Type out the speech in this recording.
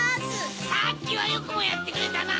さっきはよくもやってくれたな！